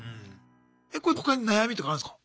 え他に悩みとかあるんすか？